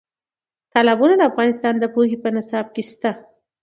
تالابونه د افغانستان د پوهنې په نصاب کې شته.